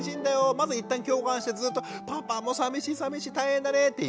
まず一旦共感してずっと「パパもさみしいさみしい大変だね」って言う。